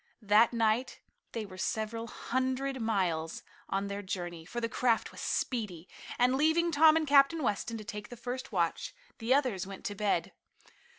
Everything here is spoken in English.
That night they were several hundred miles on their journey, for the craft was speedy, and leaving Tom and Captain Weston to take the first watch, the others went to bed.